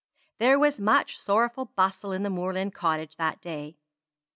There was much sorrowful bustle in the moorland cottage that day.